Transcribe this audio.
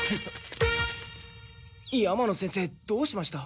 山野先生どうしました？